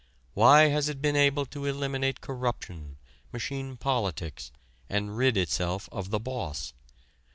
"Why has it been able to eliminate corruption, machine politics, and rid itself of the boss?